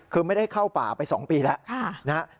คือไม่ได้เข้าป่าไป๒ปีแล้วนะฮะ